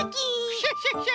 クシャシャシャ！